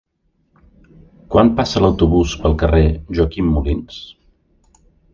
Quan passa l'autobús pel carrer Joaquim Molins?